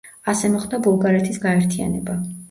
ასე მოხდა ბულგარეთის გაერთიანება.